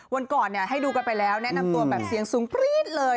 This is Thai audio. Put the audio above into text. วันก่อนให้ดูกันไปแล้วแนะนำตัวแบบเสียงสูงปรี๊ดเลย